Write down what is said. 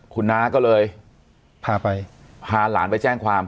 คุณน้าก็เลยพาไปพาหลานไปแจ้งความ